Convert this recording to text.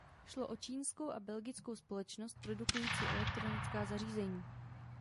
Šlo o čínskou a belgickou společnost produkující elektronická zařízení.